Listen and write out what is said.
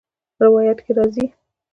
روايت کي راځي :